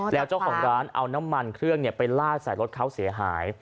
แล้วเจ้าของร้านเอาน้ำมันเครื่องไปลาดใส่รถเขาเสียหาย